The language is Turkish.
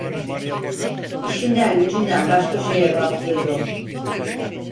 İşinden gücünden başka şeye baktığı yoktu.